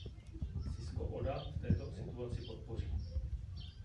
Sisko Oda v této situaci podpoří.